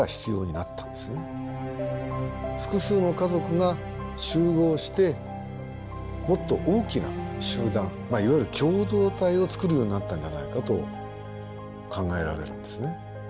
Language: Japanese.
複数の家族が集合してもっと大きな集団いわゆる共同体を作るようになったんじゃないかと考えられるんですね。